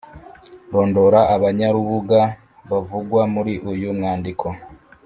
rondora abanyarubuga bavugwa muri uyu mwandiko.